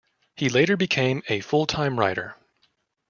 He later became a full-time writer.